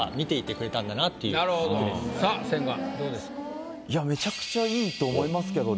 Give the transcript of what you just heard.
さぁ千賀どうですか？